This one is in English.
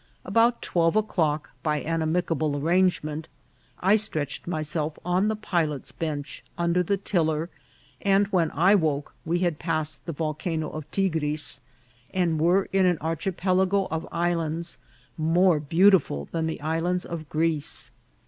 About twelve o'clock, by an amicable arrange ment, I stretched myself on the pilot's bench under the tiller, and when I woke we had passed the Volcano of Tigris, and were in an archipelago of islands more beau tiful than the islands of Greece.